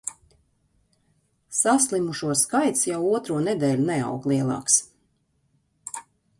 Saslimušo skaits jau otro nedēļu neaug lielāks.